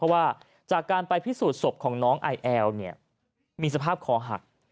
ว่าจากการไปพิสูจน์ศพของน้องไอแอลมีสภาพคอหัก